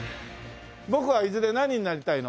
ボクはいずれ何になりたいの？